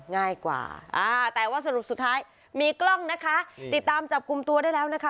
ง่ายกว่าอ่าแต่ว่าสรุปสุดท้ายมีกล้องนะคะติดตามจับกลุ่มตัวได้แล้วนะคะ